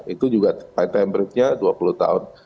itu juga time periodnya dua puluh tahun